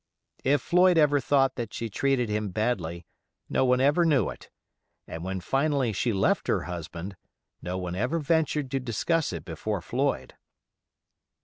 If Floyd ever thought that she treated him badly, no one ever knew it, and when finally she left her husband, no one ever ventured to discuss it before Floyd.